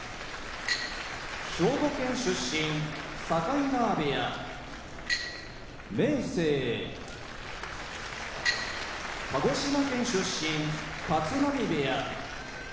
兵庫県出身境川部屋明生鹿児島県出身立浪部屋